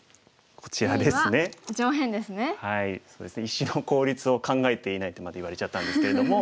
「石の効率を考えていない」とまで言われちゃったんですけれども。